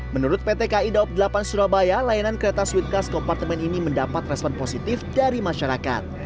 menurut pt ki daup delapan surabaya layanan kereta suite kelas kompartemen ini mendapat respon positif dari masyarakat